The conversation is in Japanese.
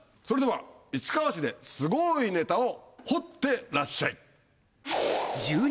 それでは市川市ですごいネタを掘ってらっしゃい。